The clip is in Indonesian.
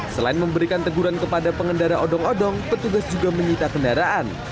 selain memberikan teguran kepada pengendara odong odong petugas juga menyita kendaraan